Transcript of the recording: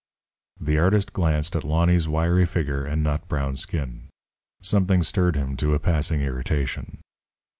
The artist glanced at Lonny's wiry figure and nut brown skin. Something stirred him to a passing irritation.